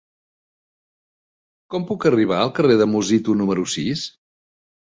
Com puc arribar al carrer de Musitu número sis?